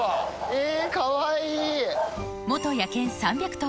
えかわいい。